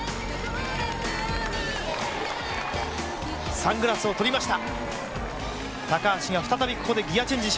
サングラスをとりました。